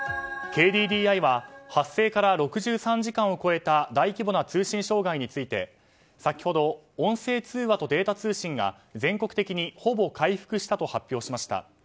ＫＤＤＩは発生から６３時間を超えた大規模な通信障害について先ほど音声通話とデータ通信が全国的にほぼ回復したと発表しました。